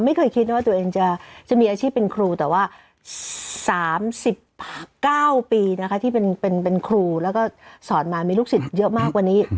ไม่เคยคิดว่าตัวเองจะมีอาชีพเป็นครูแต่ว่า๓๙ปีนะคะที่เป็นครูแล้วก็สอนมามีลูกศิษย์เยอะมากวันนี้